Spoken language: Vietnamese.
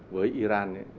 với iran ấy